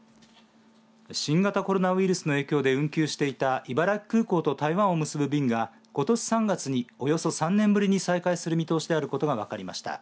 新型コロナウイルスの影響で運休していた茨城空港と台湾を結ぶ便がことし３月におよそ３年ぶりに再開する見通しであることが分かりました。